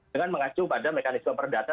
dengan mengacu pada mekanisme perdata